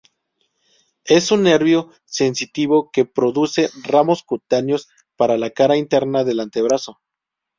Es un nervio sensitivo que produce ramos cutáneos para la cara interna del antebrazo.